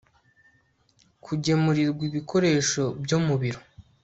kugemurirwa ibikoresho byo mu biro